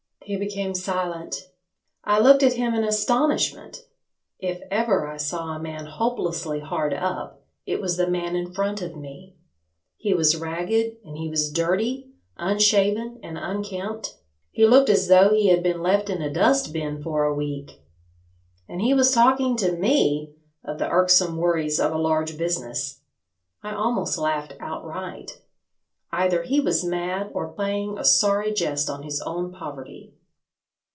He became silent. I looked at him in astonishment. If ever I saw a man hopelessly hard up it was the man in front of me. He was ragged and he was dirty, unshaven and unkempt; he looked as though he had been left in a dust bin for a week. And he was talking to me of the irksome worries of a large business. I almost laughed outright. Either he was mad or playing a sorry jest on his own poverty.